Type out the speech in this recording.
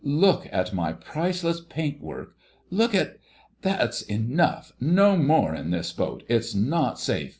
"Look at my priceless paintwork! look at—That's enough—no more in this boat—it's not safe!